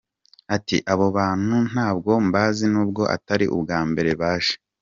Ati “Abo bantu ntabwo mbazi n’ubwo atari ubwa mbere baje.